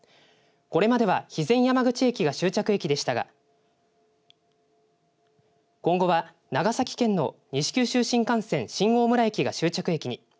これまでは肥前山口駅が終着駅でしたが今後は長崎県の西九州新幹線新大村駅が終着駅に。